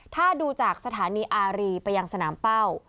ถ้าดูจากสถานีอารีไปยังสนามเป้า